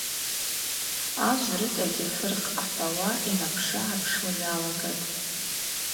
Ажв рыцӏагьи фырх – ахӏвауа йнапшыгӏапшуа йалагатӏ.